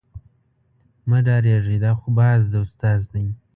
مه ډارېږئ دا خو باز استاد دی.